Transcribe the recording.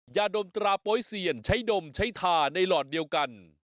ยาดมตราโป๊ยเซียนใช้ดมใช้ทาในหลอดเดียวกัน